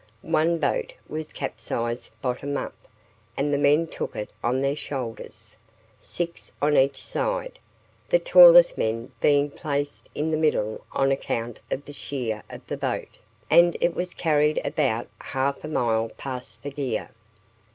One boat was capsized bottom up, and the men took it on their shoulders, six on each side, the tallest men being placed in the middle on account of the shear of the boat, and it was carried about half a mile past the gear.